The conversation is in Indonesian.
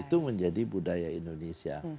itu menjadi budaya indonesia